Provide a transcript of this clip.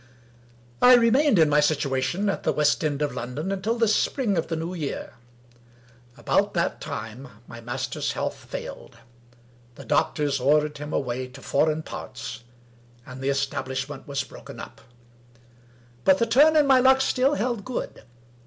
I remained in my situation (at the West end of London) until the Spring of the New Year. About that time, my master's health failed. The doctors ordered him away to foreign parts, and the establishment was broken up. But the turn in my luck still held good.